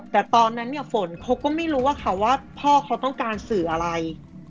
แต่ตอนนั้นเนี่ยฝนเขาก็ไม่รู้ว่าค่ะว่าพ่อเขาต้องการสื่ออะไร